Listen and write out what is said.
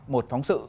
một phóng sự